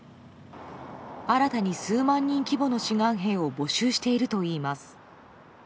新たに数万人規模の志願兵を募集しているといいます。